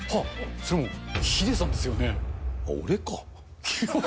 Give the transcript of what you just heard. それはもう、ヒデさんですよ俺か。